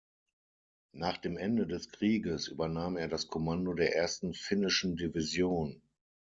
Nach dem Ende des Krieges übernahm er das Kommando der ersten finnischen Division.